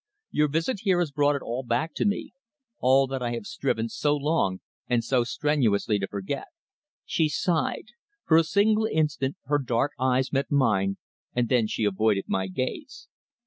"Your visit here has brought it all back to me all that I have striven so long and so strenuously to forget." She sighed. For a single instant her dark eyes met mine, and then she avoided my gaze.